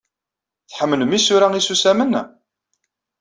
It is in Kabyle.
Tḥemmlem isura isusamen?